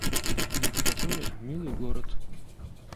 Евпатория — милый город